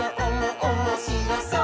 おもしろそう！」